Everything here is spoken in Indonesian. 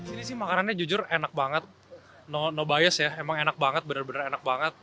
di sini sih makannya jujur enak banget no bias ya emang enak banget benar benar enak banget